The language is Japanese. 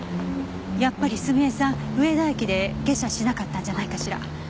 やっぱり澄江さん上田駅で下車しなかったんじゃないかしら？